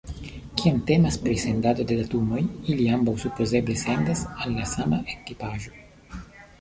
Kiam temas pri sendado de datumoj, ili ambaŭ supozeble sendas al la sama ekipaĵo.